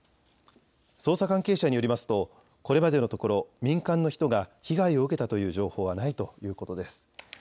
捜査関係者によりますとこれまでのところ民間の人が被害を受けたという情報はないということです。